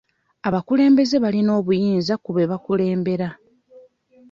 Abakulembeze balina obuyinza ku be bakulembera.